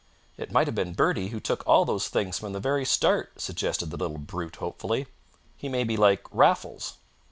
"It might have been Bertie who took all those things from the very start," suggested the little brute hopefully. "He may be like Raffles."